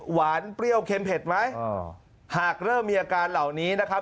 เปรี้ยวเค็มเผ็ดไหมหากเริ่มมีอาการเหล่านี้นะครับ